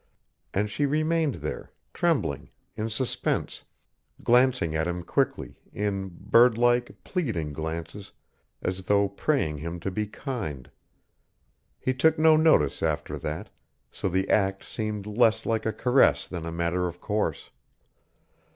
And she remained there, trembling, in suspense, glancing at him quickly, in birdlike, pleading glances, as though praying him to be kind. He took no notice after that, so the act seemed less like a caress than a matter of course.